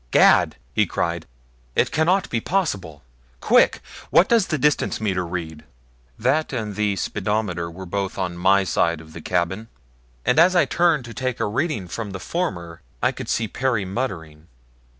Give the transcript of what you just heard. "Gad!" he cried, "it cannot be possible quick! What does the distance meter read?" That and the speedometer were both on my side of the cabin, and as I turned to take a reading from the former I could see Perry muttering.